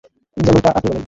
যেমনটা আপনি বলেন।